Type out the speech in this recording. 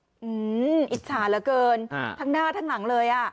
อืมอิจฉาเหลือเกินทั้งหน้าทั้งหลังเลยอ่ะ